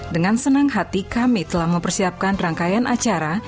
dengan senang hati kami telah mempersiapkan rangkaian acara